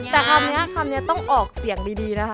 แต่คำนี้คำนี้ต้องออกเสียงดีนะคะ